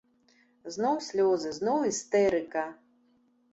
Зноў слёзы, зноў істэрыка!